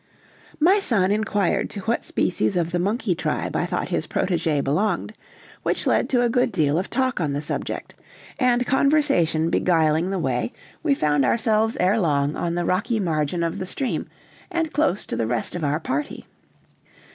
My son inquired to what species of the monkey tribe I thought his protégé belonged, which led to a good deal of talk on the subject, and conversation beguiling the way, we found ourselves ere long on the rocky margin of the stream and close to the rest of our party.